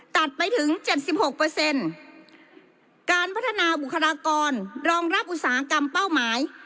ตัดไปถึงเจ็ดสิบหกเปอร์เซ็นต์การพัฒนาบุคลากรรองรับอุตสาหกรรมเป้าหมาย